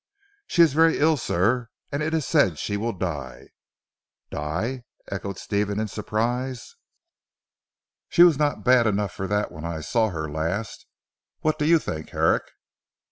"She is very ill sir, and it is said she will die." "Die!" echoed Stephen in surprise. "She was not bad enough for that when I saw her last. What do you think Herrick?"